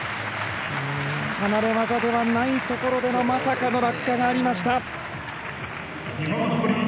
離れ技ではないところでのまさかの落下がありました。